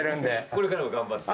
これからも頑張って。